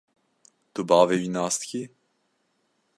Tu bavê wî nas dikî?